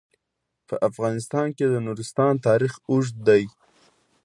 په افغانستان کې د نورستان تاریخ اوږد دی.